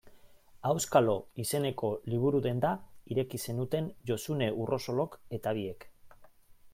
Auskalo izeneko liburu-denda ireki zenuten Josune Urrosolok eta biek.